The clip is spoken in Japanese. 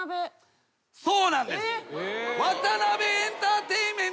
そうなんです。